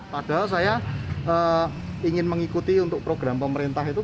padahal saya ingin mengikuti untuk program pemerintah itu